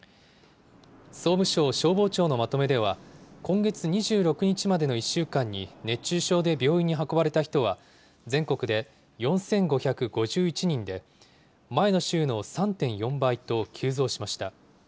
総務省消防庁のまとめでは、今月２６日までの１週間に熱中症で病院に運ばれた人は、全国で４５５１人で、前の週の３．４倍と急増しました。